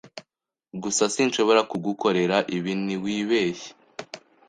Gusa sinshobora kugukorera ibi ntiwibeshye!